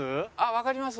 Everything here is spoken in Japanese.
わかります。